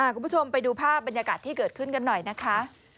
คุณผู้ชมไปดูภาพบรรยากาศที่เกิดขึ้นกันหน่อยนะคะ